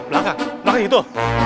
belakang belakang gitu